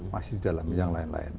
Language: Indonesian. masih dalam yang lain lain